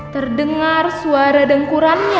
terdengar suara dengkurannya